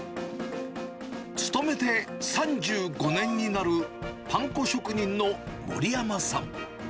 勤めて３５年になるパン粉職人の森山さん。